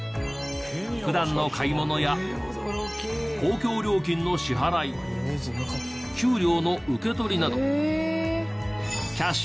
普段の買い物や公共料金の支払い給料の受け取りなど。